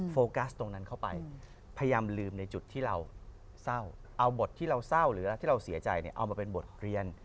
โฟกัสตรงนั้นเข้าไปพยายามลืมในจุดที่เราเศร้าเอาบทที่เราเศร้าหรือที่เราเสียใจเนี่ยเอามาเป็นบทเรียน